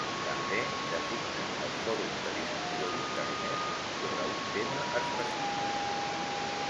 També designa els fòrums de discussió d'Internet sobre un tema específic.